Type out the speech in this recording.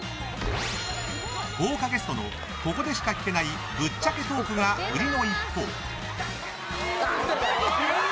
豪華ゲストのここでしか聞けないぶっちゃけトークが売りの一方。